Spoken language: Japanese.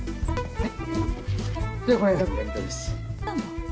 はい？